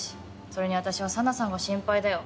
それに私は紗奈さんが心配だよ。